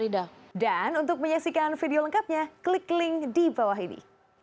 dan untuk menyaksikan video lengkapnya klik link di bawah ini